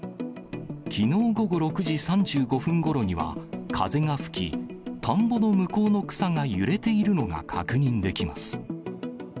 きのう午後６時３５分ごろには、風が吹き、田んぼの向こうの草が揺れているのが確認できます。